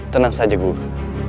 tenang saja guru